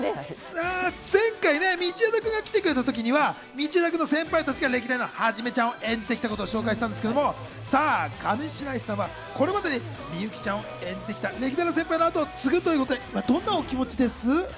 前回、道枝君が来てくれたときには、道枝君の先輩たちが歴代のはじめちゃんを演じてきたことをご紹介したんですけど、上白石さんはこれまでに美雪ちゃんを演じてきた歴代の先輩のあとを継ぐということで、どんなお気持ちです？